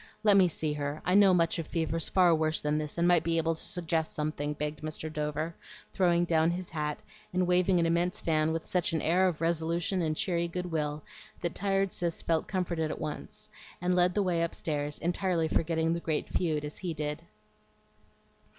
Let me see her; I know much of fevers far worse than this, and might be able to suggest something," begged Mr. Dover, throwing down his hat, and waving an immense fan with such an air of resolution and cheery good will that tired Cis felt comforted at once, and led the way upstairs entirely forgetting the great feud, as he did.